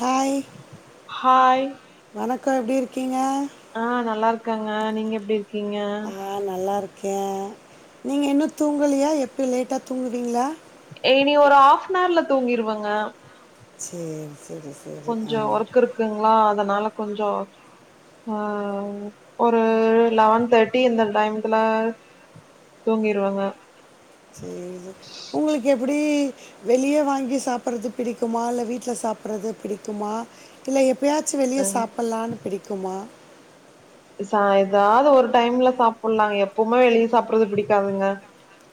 Hi hi வனக் கா எப்டி இருக்கீங்க ஆ நல்லா இருக் க்காங்க நீங்க எப்டி இரு கீங்க கே நீங்க இன்னு தூங்கலயா எப்பி லேட்டா தூங்குவீங்களா ஏனி ஒரு ஹாஃபநவர்ல தூங்கிருவங்க செரி கொஞ்சோ ஒர்க் இருக்குங்களா அதனால கொஞ்சோ அ ஒரு லெவன் தேர்ட்டி இந்த டைம்த்துல தூங்கிருவங்க செரி செரி உங்களுக்கு எப் ப்படி வெளிய வாங்கி சாப்பிட்றது பிடிக்குமா இல்ல வீட்ல சாப்பிட்றது பிடிக்குமா இல்ல எப் எப்பயாச்சி வெளிய ம் சாப்பிட்லான்னு பிடிக்குமா ந ஏதாது ஒரு டைம்ல சாப்பலாங்க எப்பவுமே வெளிய சாப்பறது பிடிக்காதுங்க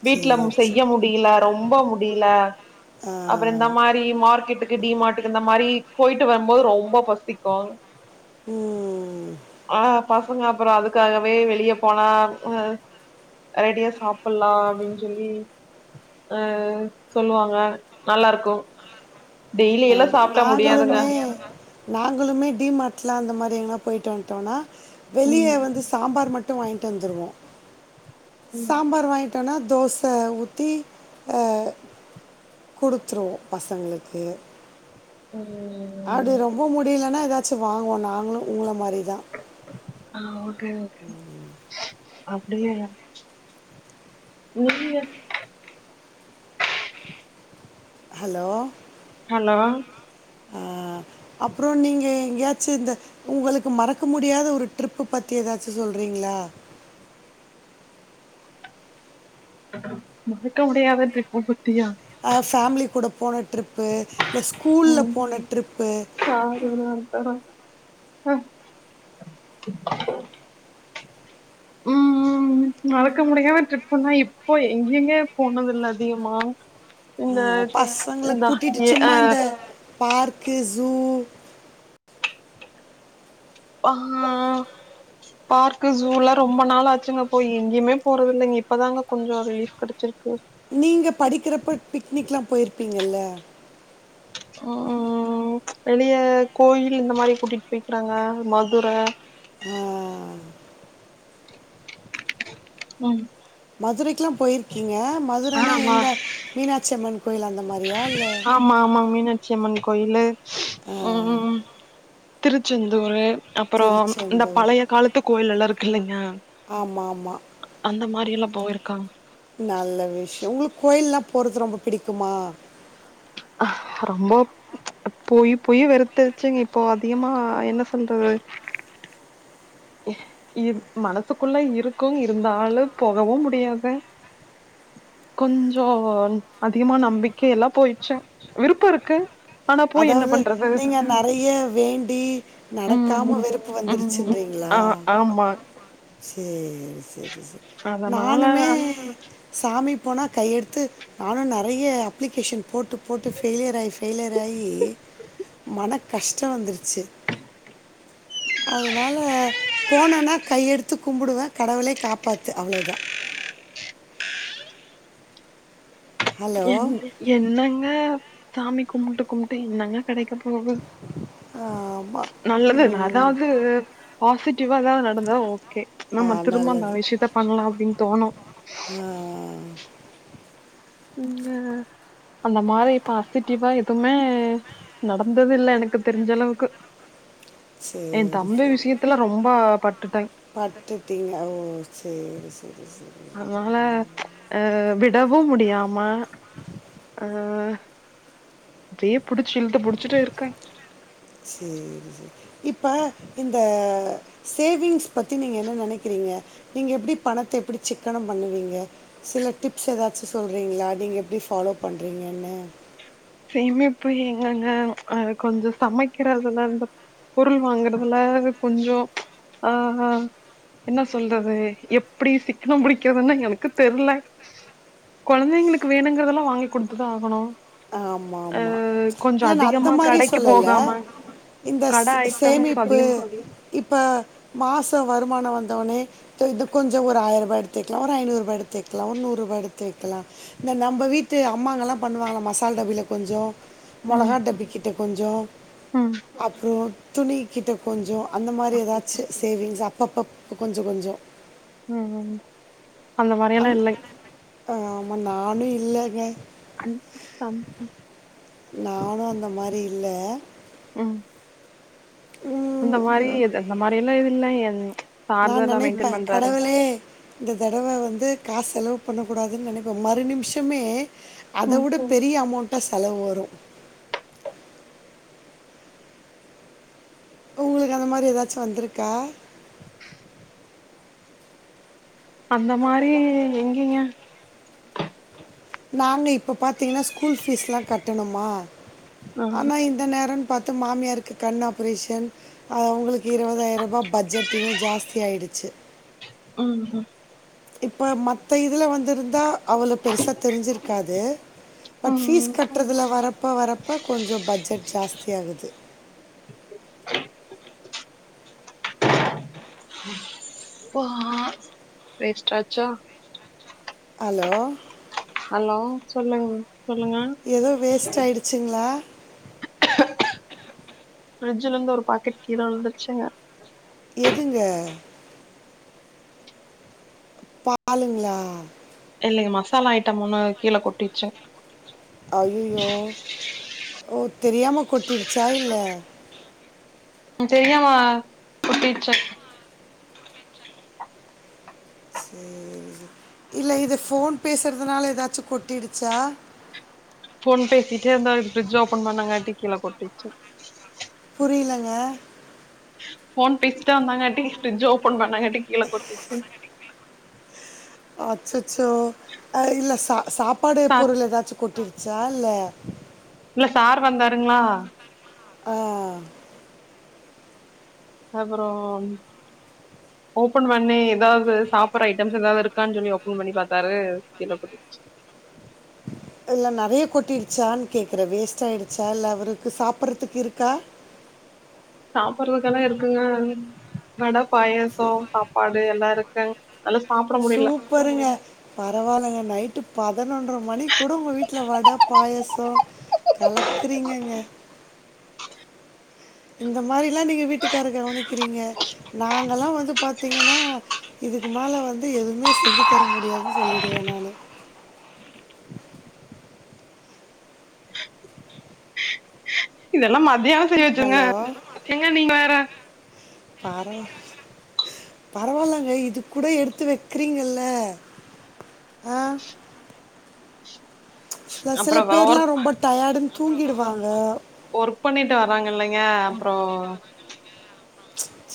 வீட்ல சரி சரி செய்ய முடில ரொம்ப மு அப்டில ஆ அப்பறம் இந்த மாரி மார்க்கெட்டுக்கு டி மார்ட்டுக்கு இந்த மாரி போயிட்டு வருபோது ரொம்ப பசிக்கு ம் ஆ பசங்க அப்பறம் அதுக்காகவே வெளிய போனா ரெடியா சாப்பலா அப்டின்னு சொல்லி அ சொல்லுவாங்க நல்லா இருக்கு டெய்லி எல்லா ஆமா சாப்ட்டா முடியாதுங்க நாங்களுமே நாங்களுமே டிமாட்ல அந்த மாரி எங் போயிட்டு வன்ட்டோனா வெளிய ம் வந்து சாம்பார் மட் ட்டு வாங்கிட்டு வந்துருவோ ம் சாம்பார் வாய் தெனா தோச ஊத்தி அ குடுத்துருவோ பசங்களுக்கு அப்டி ம் ரொம்ப முடியலனா இப் ஏதாச்சு வாங்கோ நாங்களு உங்கள மாரி ஆவோ க அப்டியா [unintelligible] ஹலோ ஹலோ அ அப்பறம் நீங்க எங்கயாச்சு இந்த உங்களுக்கு மறக்க முடியாத ஒரு ட்ரிப் பத்தி ஏதாச்சு சொல்றீங்களா மறக்க முடியாத ட்ரிப் பத்தியா ஆ ஃபேமிலி கூட போன ட்ரிப் ப்பு இல்ல ஸ்கூல்ல ம் போன ட்ரிப்பு சாரி அ ம் ம் மறக்க முடியாத ட்ரிப் தா இப்போ எங்க எங்கே போனதி இல்ல அதிகமா இந்த ஆ பசங்கள இந்த கூட்டிட்டு ஏ சும்மா அ இந்த பார்க்கு சூ பா பார்க்கு ஜூல ரொம்ப நாள் ஆச்சுங்க போய் எங்கெயுமே போறதில்லங்க இப்பதாங்க கொஞ்ச ரிலீஃப் கெடைச்சிருக்கு நீங்க படிக்கிறப்ப பிக்னிக் எல்லா போயிருப்பீங்கல்ல ம் வெளிய கோயில் இந்த மாரி கூட்டிட்டு போய்கிறாங்க மதுர ஆ ம் மதுரைக்குலா போயிருகி ங்க மதுரனா எங்க மீனாட்ச்சி அம்மன் கோயில் அந்த மா ஆமா ஆமா மீனாட் ச்சி அம்மன் கோயிலு ஆ ம் திருச்செந்தூரு அப்பறோ இந்த பழைய காலத்து கோயில் எல்லா இரு இல்லங்யா ஆமா ஆமா எல்லா போயிருக்காங்க நல்ல விஷ்யொ உங்களுக் கோயில்லா போறது ரொம்ப பிடிக்குமா? ரொம்ப போயி போயி வெறுத்துருச்சுங்க இப்ப அதிகமா என்ன சொல்றது இ மனசுகுள்ள இருக்கும் இருந்தாலு போகவு முடியாது கொஞ்சோ அதிகமா நம்பிக்கையல்லா போயிட்ச்சா விருப்ப இருக்கு ஆனா போய் என்ன அதாவுது பண்றது நீங்க நெறைய வேண்டி நடக்காம ம் வெறுப்பு ம் வந்துருச்சுன்றீங்ளா? ஆ ஆமா சேரி செரி செ அதனால நானுமே சா மி போனா கையெடுத்து நானு நெறைய அப்ளிகேஷன் போட்டு போட்டு ஃபெய்லியர் ஆயி ஃபெய்லிய ர் ஆயி மன கஷ்ட வந்துருச்சு அதனால போனனா கையெடுத்து கும்புடுவ கடவுளே காப்பாத்து அவ்ளதா ஹலோ என் என்னங்க சாமி கும்புட்டு கும்புட்டு என்னங்க கெடைக்க போது ஆமா நல்லது நா ம், அதாவுது பாசி ட்டிவா எதா நடந்தா ஓ கே ஆ, நம்ம திரும்ப அந்த நல்லது விஷ்யத்த பண்லா அப்டின் தோனு ஆ, இங்க அந்த மாரி பாசிட்டிவா எதுவுமே நடந்ததில்ல எனக்கு தெரிஞ்சளவுக்கு சேரி சேரி பட்டுட்டே பட்டுட்டீங்க ஓ சேரி சேரி சே அதுனால அ விடவு முடியாம ஆ ரி புடுச்சு இழுத்து புடுச்சுட்டு இருக்கே ப்ப இந்த சேவிங்ஸ் பத்தி நீங்க என்ன நெனைக்கிறீங்க? நீங்க எப்டி பணத்த எப்டி சிக்கனம் பண்ணுவீங்க? சில டிப்ஸ் எதாச்சு சொல்றீங்ளா நீங்கள் எப்டி ஃபாலோ பண்றீங்கன்னு சேமிப்பு எங்கங்க அது கொஞ்சொ சமைக்கிறதுல இந்த பொருள் வாங்குறதுல அது கொஞ்சொ ஆஹ என்ன சொல்றது எப்டி சிக்கனம் புடிக்கிறதுனு எனக்கு தெர்ல கொழந்தைங்ளுக்கு வேணுங்கிறதுலா வாங்கி குடுத்துதா ஆகனு ஆமா ஆமா இல்ல நா அந்த மாரி கடைக்கு சொல்லல போகாம இந்த கட ஐட்டம்ஸ் சேமிப்பு அதிகமா இப்ப மாச வருமான வந் வந்த உடனே தோ இது கொஞ்ச ஒரு ஆயிர ரூபா எடுதுவெகலா ஒரு ஐநூறு ரூபா எடுதுவெகலா ஒருனூறுபா எடுதுவெகலா நா நம வீடு அம்மாங்க எல்லா பணுவாங்கள மசா சால் டபியில கொஞ்ச ம் மொளகாடபிக்கிட்ட கொஞ்ச ம் அப்புறோ துணி கிட்ட கொஞ்ச அந்த மாரி ஏதாச்சு சேவிங்ஸ் அ அப்பப் கொஞ்சோ கொஞ்சோ ம் ம் ம் அந்த மாரி எல்லா இல்லைங் ஆ ஆமா நானு இல்லலைங்க அ [unintelligible] நானு அந்த மாரி இல்ல ம் அந்த மாரி இது அந்த மாரி எல்லா எது இல்லங்க ம் நா நினைப்பே கடவுளே இந்த தடவ வந்து காச பண்ணக்கூடாதுன்னு நினைப்பே மறு நிமிஷமே அத ம் விட பெரிய அமௌண்டா செலவு வரு உங்களுக்கு அந்த மாரி ஏதாச்சு வந்திருக்கா அந்த மாரி எங்கீங்க நாங்க இப்ப பாத்தீங்கன்னா ஸ்கூல் ஃபீஸ் எல்லா கட்டணுமா ஆ ஆனா இந்த நேரன்னு பாத் அத்து மாமியாருக்கு கண் ஆபரேஷன் அ அவங்களுக்கு இருபதாயிர ரூபா பட்ஜெட் இன்னு ஜாஸ்தி ஆயிடுச்சு ம் ம் இப்ப மத்த இதுல வந்திருந்தா அவ்வளோ பெருசா தெரிஞ்சிருக்காது பட் பபீஸ் ம் கட்டுறதுல வர அப்போ வரப்போ கொஞ்சோ பட்ஜெட் ஜாஸ்தி ஆகுது [inaudible] ஓ வேஸ்ட்டாச்சா ஹலோ ஹலோ சொல்லுங் சொல்லுங்க ஏதோ வேஸ்ட் ஆயிடுச்சுங்களா பிரஃரிட்ஜ்ல இருந்து ஒரு பாக்கெட் கீழ விழுந்துருச்சுங்க எதுங்க பாலுங்களா இல்லிங்க மசாலா ஐட்டம்ல்லா கீழ கொட்டிச்சிங்க அய்அய்யோ ஓ தெரியாம கொட்டிருச்சா இல்ல தெரியமா கூட்டிச்சா சேரி இல்ல இத ஃபோன் பேசுறதுனால ஏதாச்சு கொட்டிடுச்சா ஃபோன் பேசிட்டே இருந்தா ஃப்ரிட்ஜ் ஓபன் பண்ணங்காட்டி கீழ கொட்டிருச்சி அ ஃபோன் பேசி ந்தாபங்கட்டி ஃப்ரிட்ஜ் ஓபன் பண்ணாங்காட்டி கீழ கொட்டிச்சி அச்சச்சோ ஆ இல்ல சா சாப் ப்பாடு சார் பொருள் ஏதாச்சு கொட்டி சால இல்ல சார் வந்தாருங்களா ஆ அப்புறோ ஓபன் பண்ணி ஏதாது சாப்பற ஐட்டம்ஸ் ஏதாவது இருக்கான்னு சொல்லி ஓப்பன் பண்ணி பாத்தாரு கீழ கொட்டிசி இல்ல நெறைய கொட்டிருச்சான்னு கேக்குற வேஸ் ச்சா இல்ல அவுரு க்கு சாப்பறதுக்கு இருக்கா சாப்பறதுக்கெல்லா இருக்குங்க மேடம் பாயசோ சாப்பாடு எல்லா இருக் ட சூப்பருங்க பரவாயில்லங்க நைட்டுக் பதனொன்ற மணி கூட உங்க வீட்ல வட பாயாசோ கலக்குறீங்கங்க இந்த மாரில்லா நீங்க வீட்டுக்காரரு கவனிக்கிறீங்க நாங்கல்லா வந்து பாத்தீங்கன்னா இதுக்கு மேல வந்து எதுவுமே செஞ்சு தர முடியாதுன்னு சொல்லிடுவே நானு இதெல்லா மாத் அதயா பெரிச்சுங்க ஹலோ! எங்க நீங்க வேற பரவாயில்லங்க இது கூட எடுத்து வைக்கறீங்கல்ல ஆ ச சில அப்புறோ பேர் எல்லா ஒர்க் ரொம்ப டயாடு தூங்கிடுவாங்க ஒர்க் பண்ணிட்டு வர்றாங் இல்லிங் க அப்புறோ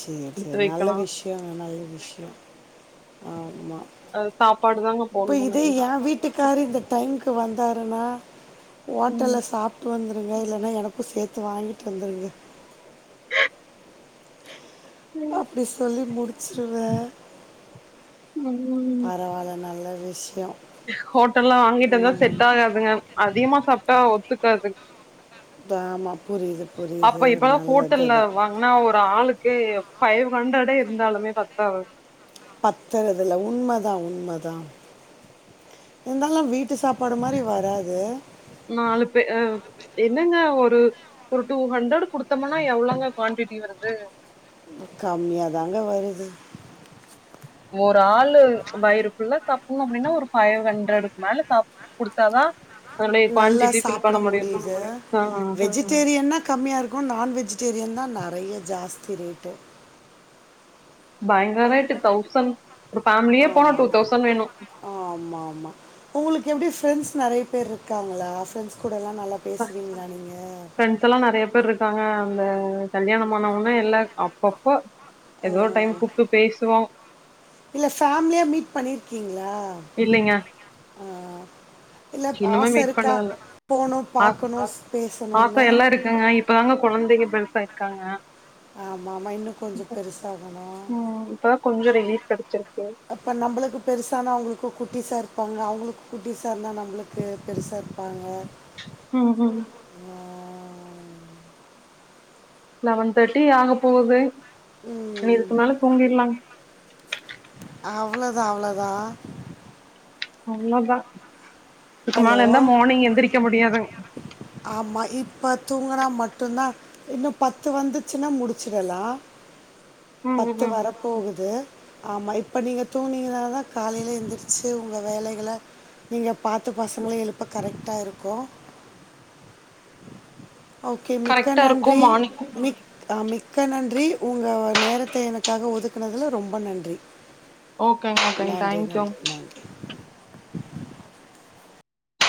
சேரி எடுத்து சேரி நல்ல வைக்கணு விஷ்யோ நல்ல ஆ அ சாப்பாடு தாங்க எப்போதுமே கார் இந்த டைமுக்கு வந்தாருண்ணா ஹோட்டல்ல ம் சாப்பிட்டு வந்து இல்லன்னா எனக்கும் சேர்த்து வாங்கிட்டு வந்துருங்க அப்படி சொல்லி முடிச்சிருவேன் பரவாயில்ல நல்லது ஹோட்டல்லல்லாம் வாங்கிட்டு இருந்தா செட் ஆகாதுங்க அதிகமா சாப்பிட்டா ஒத்துக்காது ஆமாம் புரியுது அப்ப புரியுது இப்பதாம் நல்லது ஹோட்டல்ல தான் வாங்கினா ஒரு ஆளுக்கு ஃபைவ் ஹண்ட்ரடே இருந்தாலுமே பத்தாது பத்துறதுல உண்மைதான் உண்மைதான் இருந்தாலும் வீட்டு சாப்பாடு மாதிரி வராது நாலு பேர் என்னங்க இப்போ ஒரு டூ ஹண்ட்ரட் குடுத்தோம்னா எவ்வளவுங்க குவான்டிட்டி வருது கம்மியாதாங்க வருது ஒரு ஆளு வயிறு புள்ள சாப்பிடணும் அப்படின்னா ஒரு ஃபைவ் ஹண்ட்ரடுக்கு மேல சா கொடுத்தாதான் நல்லா சாப்பிட முடியுது ஆ வெஜிடேரியன்ன்னா கம்மியா இருக்கும் நான் வெஜிடேரியன் தான் நிறைய ஜாஸ் திரவிட்டு பயங்கர ரேட்டு தௌசண்ட் ஒரு ம்ம் ஃபேமிலியே போனா ஆ டூ ஆமா ஆமா தௌசண்ட் வேணு ஆ ஆமா ஆமா உங்களுக்கு எப்படி பிரெண்ட்ஸ் நிறைய பேர் இருக்காங்களா பிரெண்ட்ஸ் கூட எல்லாம் நல்லா பேசுறீங்களா நீங்க ஆ அந்த கல்யாணம்மானவனா எல்லாம் அப்பப்ப ஏதோ டைம் கூப்பிட்டு பேசுவோம் பண்ணியிருக்கீங்க ஆ இல்ல இன்னுமே ஆசை மீட் இருக்கா பண்ணதில்ல போணும் ஆ பாக்கணும் ஆச பேசணும்னு இருக்காங்க ஆமா ஆமா இன்னும் கொஞ்சம் பெருசா ஆகணும் ம் இப்பதா கொஞ்சோ ரிலீஃப் கெடச்சிருக்கு அப்ப நம்மளுக்கு பெருசானா அவங்களுக்கு குட்டி சார் இருப்பாங்க அவங்களுக்கு குட்டி சார்ந்தான் நம்மளுக்கு பெருசாக இருப்பாங்க உம் உம் ஆ, லெவன் தேர்ட்டி ஆக போகுது நீ ம் இதுக்கு மேல தூங்கிடலாம் அவ்வளோதான் அவ்வளோதான் அவ்ளோ தான் இதுக்கு ஹலோ மேல இருந்தா மார்னிங் எந்திரிக்க முடியாதுங்க இப்ப தூங்குனா மட்டும்தான் இன்னும் பத்து வந்துச்சுன்னா முடிச்சிடலாம் ம் ம் பத்து வர ம் போகுது ஆமாம் இப்போ நீங்கள் தூங்கினீங்க தான் காலையில எழுந்திரிச்சு உங்கள் வேலைகளை நீங்கள் பார்த்து பசங்களளை எழுப்ப கரெக்ட்டா இருக்கும் ஓகே மிக்க கரெக்டா இருக்கு நன்றி மார்னிங் மிக் மிக்க நன்றி உங்க நேரத்தை எனக்காக ஒதுக்குனதுல ரொம்ப நன்றி ஓகேங்க ஓகேங்க நன்றி தேங்க்யூ நன்றி நன்றி